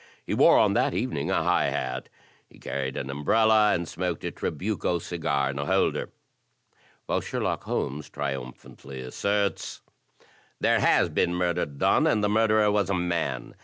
He wore on that evening a high hat. He carried an umbrella, and smoked a trabucos cigar in a holder." While Sherlock Holmes triumphantly asserts: "There has been murder done, and the murderer was a man.